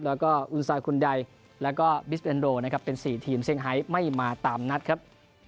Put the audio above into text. แล้วก็แล้วก็นะครับเป็นสี่ทีมเซงไฮส์ไม่มาตามนัดครับ